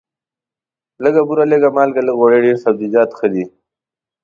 لږه بوره، لږه مالګه، لږ غوړي، ډېر سبزیجات ښه دي.